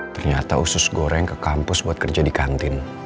ternyata usus goreng ke kampus buat kerja di kantin